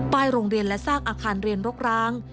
โรงเรียนและซากอาคารเรียนรกร้าง